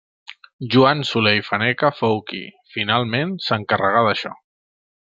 Joan Soler i Faneca fou qui, finalment, s'encarregà d'això.